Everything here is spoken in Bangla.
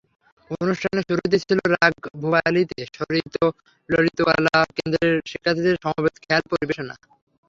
অনুষ্ঠানের শুরুতেই ছিল রাগ ভূপালীতে স্বরিৎ ললিতকলা কেন্দ্রের শিক্ষার্থীদের সমবেত খেয়াল পরিবেশনা।